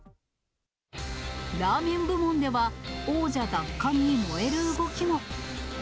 ラーメン部門では、王者奪還に燃える動きも。